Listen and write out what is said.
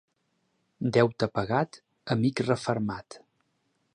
Deute pagat, amic refermat.